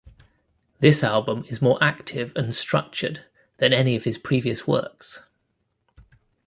This album is more active and structured than any of his previous works.